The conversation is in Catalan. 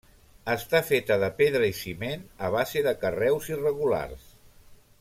Està feta de pedra i ciment, a base de carreus irregulars.